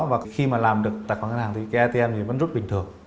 và khi mà làm được tài khoản ngân hàng thì cái atm thì vẫn rất bình thường